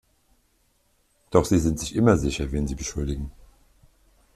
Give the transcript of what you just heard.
Doch sie sind sich immer sicher, wen sie beschuldigen“.